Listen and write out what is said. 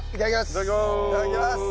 いただきます！